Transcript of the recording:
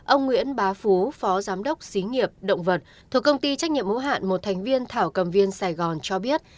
ông nguyễn bá phú phó giám đốc xí nghiệp động vật thuộc công ty trách nhiệm hữu hạn một thành viên thảo cầm viên sài gòn cho biết